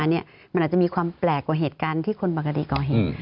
มันอาจจะมีความแปลกกว่าเหตุการณ์ที่คนปกติก่อเหตุ